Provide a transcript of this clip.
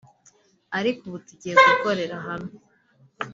Ariko ubu tugiye gukorera hamwe